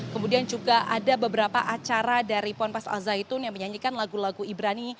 kemudian juga ada beberapa acara dari ponpes al zaitun yang menyanyikan lagu lagu ibrani